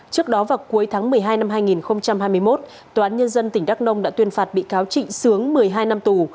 trước đó vào cuối tháng một mươi hai năm hai nghìn hai mươi một tòa án nhân dân tỉnh đắk nông đã tuyên phạt bị cáo trịnh sướng một mươi hai năm tù